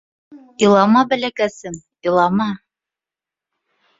— Илама, бәләкәсем, илама.